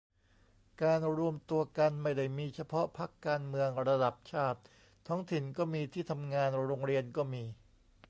การรวมตัวกันไม่ได้มีเฉพาะพรรคการเมืองระดับชาติ ท้องถิ่นก็มี ที่ทำงาน โรงเรียนก็มี